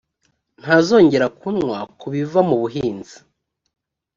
ntazongera kunywa ku biva mubuhinzi